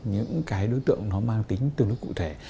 những đối tượng mang tính tương đối cụ thể